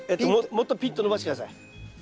もっとピンと伸ばして下さい。